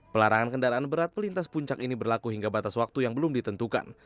pelarangan kendaraan berat melintas puncak ini berlaku hingga batas waktu yang belum ditentukan